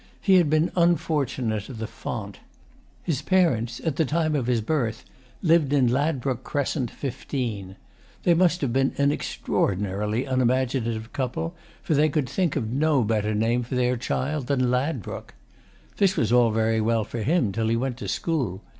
He had been unfortunate at the font. His parents, at the time of his birth, lived in Ladbroke Crescent, XV. They must have been an extraordinarily unimaginative couple, for they could think of no better name for their child than Ladbroke. This was all very well for him till he went to school.